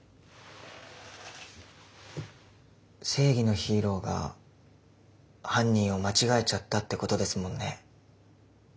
正義のヒーローが犯人を間違えちゃったってことですもんね。